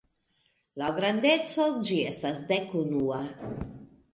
Laŭ grandeco ĝi estas dek-unua.